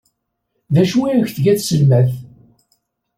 D acu ay ak-tga tselmadt?